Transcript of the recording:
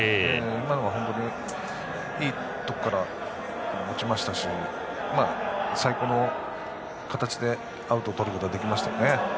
今のは本当にいいところから落ちましたし最高の形でアウトをとれましたね。